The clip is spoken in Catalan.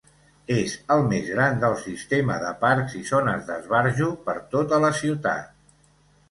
És el més gran del sistema de parcs i zones d'esbarjo per tota la ciutat.